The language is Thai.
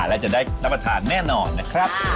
และจะได้รับประทานแน่นอนนะครับ